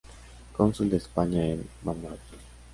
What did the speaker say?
Cónsul de España en Manaos.